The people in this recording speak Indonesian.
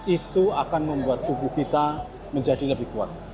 itu akan membuat tubuh kita menjadi lebih kuat